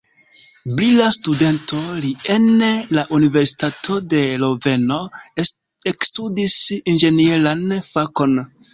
Brila studento, li en la universitato de Loveno ekstudis inĝenieran fakon.